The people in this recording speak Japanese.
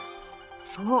［そう。